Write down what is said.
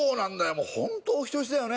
もうホントお人よしだよね